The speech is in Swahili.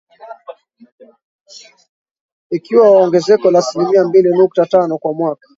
ikiwa na ongezeko la asilimia mbili nukta tano kwa mwaka